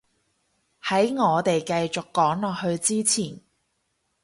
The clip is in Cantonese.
喺我哋繼續講落去之前